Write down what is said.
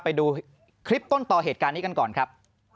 ไปดูคลิปต้นต่อเหตุการณ์นี้กันก่อนครับ